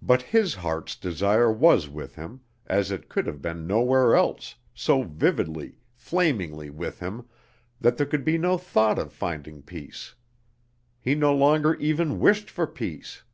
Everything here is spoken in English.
But his heart's desire was with him, as it could have been nowhere else, so vividly, flamingly with him, that there could be no thought of finding peace. He no longer even wished for peace.